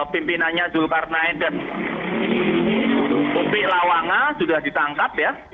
pimpinannya zulkarnain dan upik lawanga sudah ditangkap ya